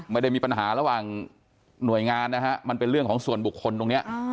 ไม่ได้มีปัญหาระหว่างหน่วยงานนะฮะมันเป็นเรื่องของส่วนบุคคลตรงนี้